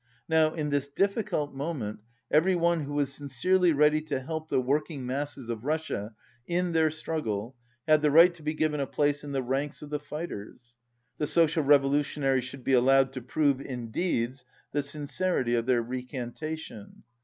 Now, in this difficult moment, every one who was sincerely ready to help the working masses of Russia in their struggle had the right to be given a place in the ranks of the fight ers. The Social Revolutionaries should be al lowed to prove in deeds the sincerity of their re cantation.